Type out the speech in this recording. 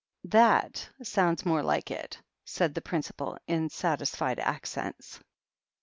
"That sounds more like itl" said the principal, in satisfied accents.